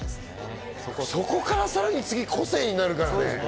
そこからさらに次、個性になるからね。